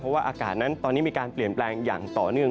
เพราะว่าอากาศนั้นตอนนี้มีการเปลี่ยนแปลงอย่างต่อเนื่อง